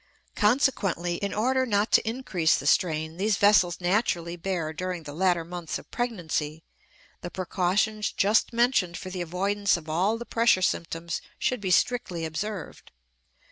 Consequently, in order not to increase the strain these vessels naturally bear during the latter months of pregnancy, the precautions just mentioned for the avoidance of all the pressure symptoms should be strictly observed.